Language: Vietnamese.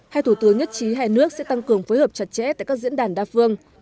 hai thủ tướng nhất trí hai nước sẽ tăng cường phối hợp chặt chẽ tại các diễn đàn đa phương